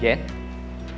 seperti kata kota